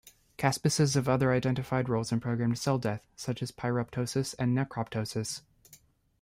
Caspases have other identified roles in programmed cell death such as pyroptosis and necroptosis.